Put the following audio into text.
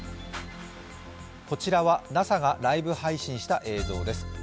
こちらはＮＡＳＡがライブ配信した映像です。